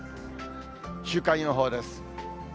週間予報です。